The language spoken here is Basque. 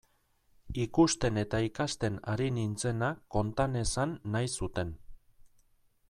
Ikusten eta ikasten ari nintzena konta nezan nahi zuten.